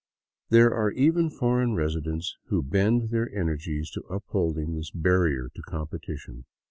There are even foreign residents who bend their energies to upholding this barrier to competition.